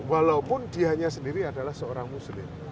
walaupun dianya sendiri adalah seorang muslim